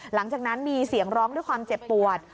หลังจากนั้นมีเสียงร้องด้วยความเจ็บปวด